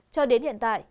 cho đến hiện tại